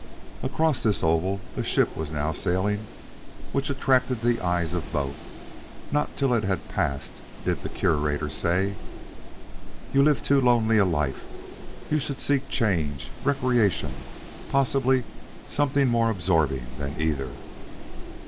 Across this oval a ship was now sailing which attracted the eyes of both; not till it had passed, did the Curator say: "You live too lonely a life. You should seek change recreation possibly something more absorbing than either."